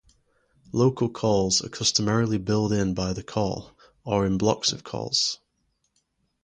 Local calls are customarily billed in by the call, or in blocks of calls.